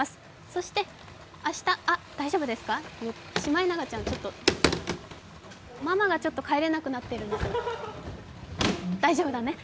そして明日、あ、大丈夫ですか、シマエナガちゃん、ママがちょっと帰れなくなってる、大丈夫だね。